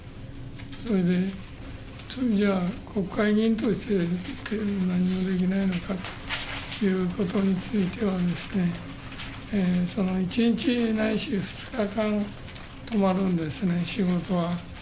それで、それじゃ、国会議員として何もできないのかということについてはですね、その１日ないし２日間止まるんですね、仕事は。